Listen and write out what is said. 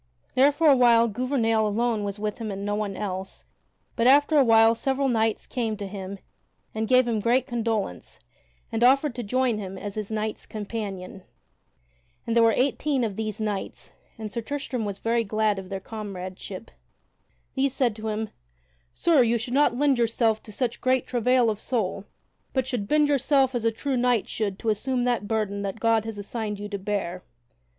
There for a while Gouvernail alone was with him and no one else, but after a while several knights came to him and gave him great condolence and offered to join with him as his knights companion. And there were eighteen of these knights, and Sir Tristram was very glad of their comradeship. These said to him: "Sir, you should not lend yourself to such great travail of soul, but should bend yourself as a true knight should to assume that burden that God hath assigned you to bear."